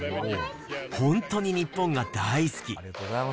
本当に日本が大好き。